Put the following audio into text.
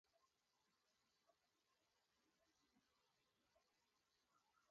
Her remaining allies are chased from the battlefield by Aslan's army.